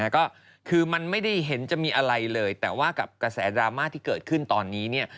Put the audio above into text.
ก็คือมันไม่ได้เห็นจะมีอะไรเลยแต่ว่ากับกระแสดราม่าที่เกิดขึ้นตอนนี้เนี่ย